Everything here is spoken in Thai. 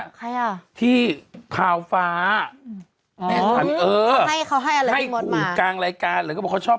ใครอ่ะที่ทาวฟ้าแม่นศัลย์เออให้ขู่กลางรายการหรือเขาชอบ๑๙